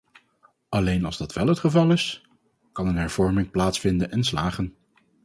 Alleen als dat wel het geval is, kan een hervorming plaatsvinden en slagen.